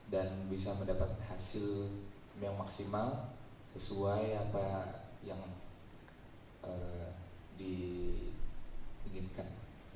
dan bisa mendapat hasil yang maksimal sesuai apa yang diinginkan